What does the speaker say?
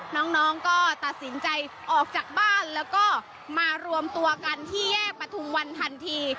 น้องก็ตัดสินใจออกจากบ้านแล้วก็มารวมตัวกันที่แยกประทุมวันทันที